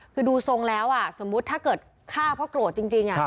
คือดูทรงแล้วสมมุติถ้าเกิดฆ่าเพราะโกรธจริง